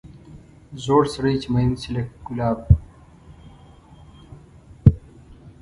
زوړ سړی چې مېن شي لکه ګلاب.